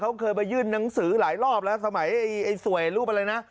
เขาเคยไปยื่นหนังสือหลายรอบแล้วสมัยไอ้สวยรูปอะไรนะ